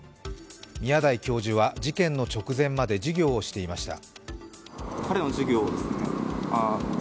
宮台教授は事件の直前まで授業をしていました。